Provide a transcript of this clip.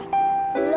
dulu aku berpikir